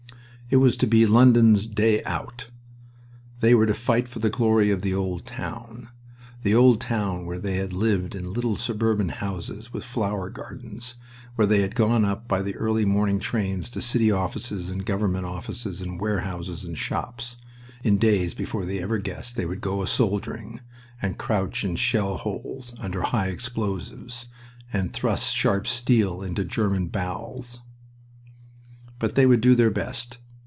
It was to be London's day out. They were to fight for the glory of the old town... the old town where they had lived in little suburban houses with flower gardens, where they had gone up by the early morning trains to city offices and government offices and warehouses and shops, in days before they ever guessed they would go a soldiering, and crouch in shell holes under high explosives, and thrust sharp steel into German bowels. But they would do their best.